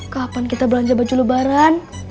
kapan kita belanja baju lebaran